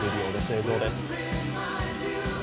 映像です。